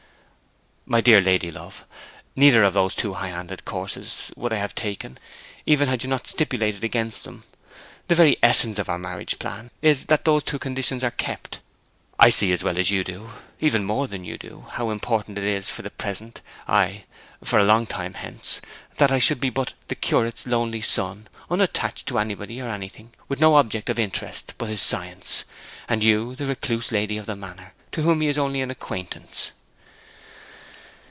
'My dear lady love, neither of those two high handed courses should I have taken, even had you not stipulated against them. The very essence of our marriage plan is that those two conditions are kept. I see as well as you do, even more than you do, how important it is that for the present, ay, for a long time hence I should still be but the curate's lonely son, unattached to anybody or anything, with no object of interest but his science; and you the recluse lady of the manor, to whom he is only an acquaintance.'